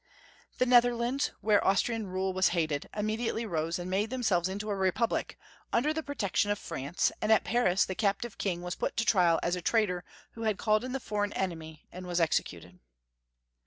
The Netherlands, where Austrian rule was hated, immediately rose and made themselves into a Republic, under the pro tection of France, and at Paris the captive king was put to trial as a traitor who had called in the foreign enemy, and was executed.